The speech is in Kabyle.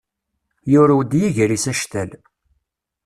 Yurew-d yiger-is actal.